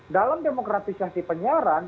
dalam demokratisasi penyiaran